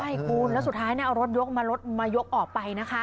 ใช่คุณแล้วสุดท้ายเอารถยกมารถมายกออกไปนะคะ